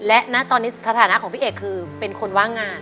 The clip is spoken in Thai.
และณตอนนี้สถานะของพี่เอกคือเป็นคนว่างงาน